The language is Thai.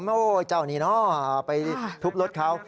โอ้เจ้านี่เนาะไปทุบรถเขา